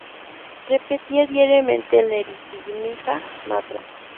Repetía diariamente el "Nrisimja-mantra".